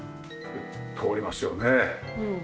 通りますよね。